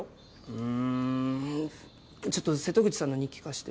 うんちょっと瀬戸口さんの日記貸して？